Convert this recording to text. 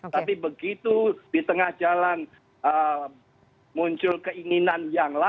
tapi begitu di tengah jalan muncul keinginan